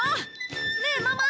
ねえママ！